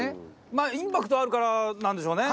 まあインパクトあるからなんでしょうね。